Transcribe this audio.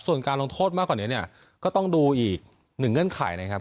ส่วนการลงโทษมากกว่านี้เนี่ยก็ต้องดูอีกหนึ่งเงื่อนไขนะครับ